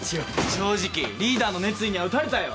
正直リーダーの熱意には打たれたよ。